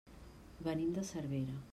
Venim de Cervera.